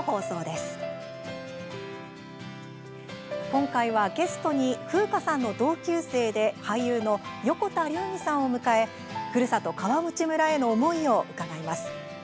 今回は、ゲストに風夏さんの同級生俳優・横田龍儀さんを迎えふるさと、川内村への思いを伺います。